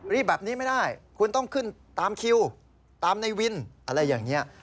แบบนี้ไม่ได้คุณต้องขึ้นตามคิวตามในวินอะไรอย่างนี้